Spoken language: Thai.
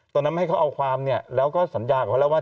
ตอนนั้นไม่ให้เขาเอาความเนี่ยแล้วก็สัญญากับเขาแล้วว่า